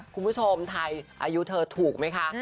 คุณผู้ชมไทยอายุเธอถูกไหมคะ